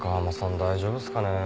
大丈夫っすかね。